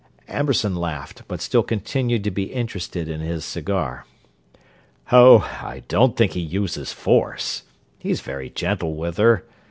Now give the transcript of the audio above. Amberson laughed, but still continued to be interested in his cigar. "Oh, I don't think he uses force! He's very gentle with her.